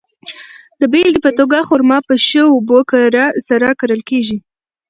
د بېلګې په توګه، خرما په ښه اوبو سره کرل کیږي.